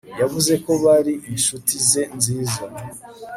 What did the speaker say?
Yavuze ko bari inshuti ze nziza